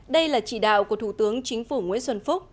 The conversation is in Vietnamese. đây là chỉ đạo của thủ tướng chính phủ nguyễn xuân phúc